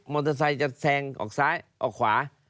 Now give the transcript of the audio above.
เตอร์ไซค์จะแซงออกซ้ายออกขวา